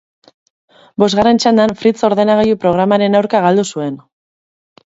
Bosgarren txandan Fritz ordenagailu programaren aurka galdu zuen.